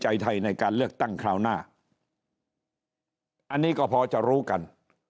ใจไทยในการเลือกตั้งคราวหน้าอันนี้ก็พอจะรู้กัน